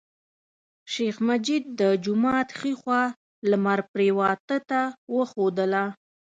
شیخ مجید د جومات ښی خوا لمر پریواته ته وښودله.